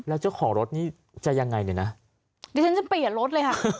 แล้วเจ้าของรถนี่จะยังไงเนี่ยนะดิฉันจะเปลี่ยนรถเลยค่ะ